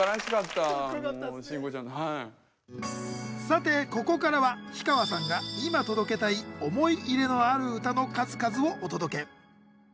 さてここからは氷川さんがいま届けたい思い入れのある歌の数々をお届け。